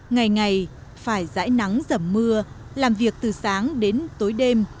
ngày ngày phải rãi nắng rẩm mưa làm việc từ sáng đến tối đêm